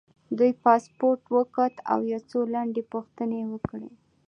دوی پاسپورټ وکوت او یو څو لنډې پوښتنې یې وکړې.